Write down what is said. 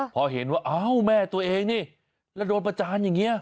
พอเห็นว่าอ้าวแม่ตัวเองนี่แล้วโดนประจานอย่างนี้